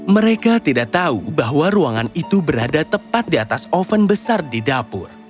mereka tidak tahu bahwa ruangan itu berada tepat di atas oven besar di dapur